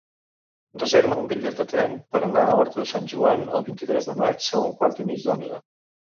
Reserva'm un bitllet de tren per anar a Horta de Sant Joan el vint-i-tres de maig a un quart i mig d'onze.